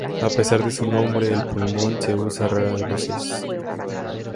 A pesar de su nombre, el pulmón se usa raras veces.